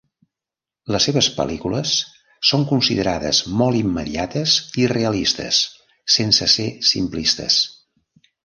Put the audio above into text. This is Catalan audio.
Les seves pel·lícules són considerades molt immediates i realistes sense ser simplistes.